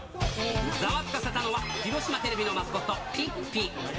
ざわつかせたのは、広島テレビのマスコット、ピッピ。